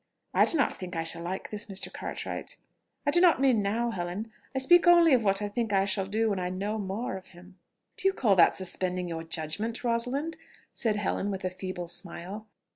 I do not think I shall like this Mr. Cartwright.... I do not mean now, Helen; I speak only of what I think I shall do when I know more of him." "Do you call that suspending your judgment, Rosalind?" said Helen with a feeble smile.